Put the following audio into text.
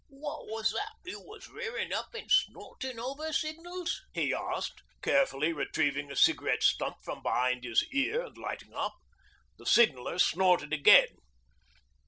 'What was that you was rearin' up an' snortin' over, Signals?' he asked, carefully retrieving a cigarette stump from behind his ear and lighting up. The Signaller snorted again.